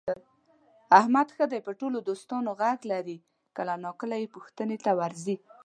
احمد ښه دی په ټول دوستانو غږ لري، کله ناکله یې پوښتنې ته ورځي.